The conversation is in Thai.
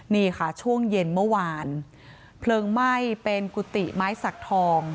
นี่ค่ะช่วงเย็นเมื่อวานเพลิงไหม้เป็นกุฏิไม้สักทอง